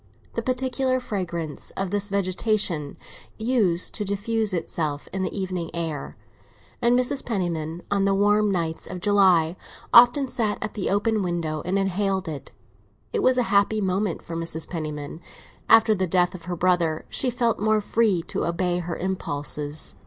The peculiar fragrance of this vegetation used to diffuse itself in the evening air, and Mrs. Penniman, on the warm nights of July, often sat at the open window and inhaled it. This was a happy moment for Mrs. Penniman; after the death of her brother she felt more free to obey her impulses.